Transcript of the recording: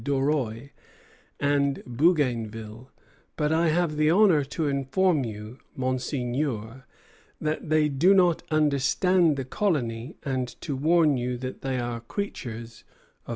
Doreil and Bougainville; but I have the honor to inform you, Monseigneur, that they do not understand the colony, and to warn you that they are creatures of M.